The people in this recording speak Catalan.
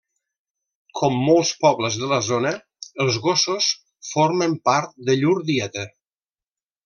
Com molts pobles de la zona, els gossos formen part de llur dieta.